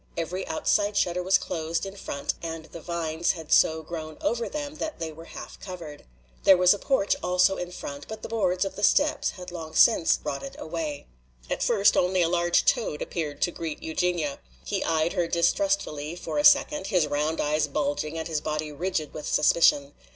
Every outside shutter was closed in front and the vines had so grown over them that they were half covered. There was a porch also in front, but the boards of the steps had long since rotted away. At first only a large toad appeared to greet Eugenia. He eyed her distrustfully for a second, his round eyes bulging and his body rigid with suspicion.